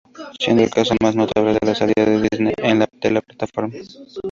Siendo el caso más notable la salida de Disney de la plataforma.